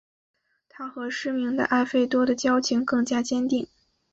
他和失明的艾费多的交情更加坚定。